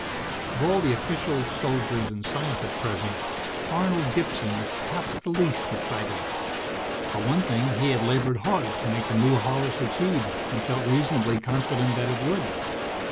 Of all the officials, soldiers, and scientists present, Arnold Gibson was perhaps the least excited. For one thing, he had labored hard to make the new horror succeed and felt reasonably confident that it would.